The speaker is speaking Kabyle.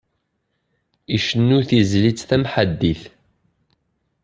Icennu tizlit tamḥaddit.